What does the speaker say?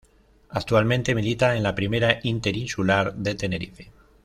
Actualmente milita en la Primera Interinsular de Tenerife.